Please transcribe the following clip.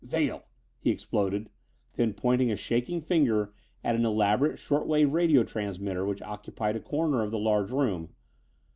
"Vail!" he exploded, then, pointing a shaking forefinger at an elaborate short wave radio transmitter which occupied a corner of the large room.